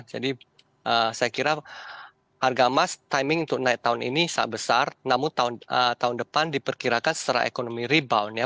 jadi saya kira harga emas timing untuk naik tahun ini sangat besar namun tahun depan diperkirakan secara ekonomi rebound ya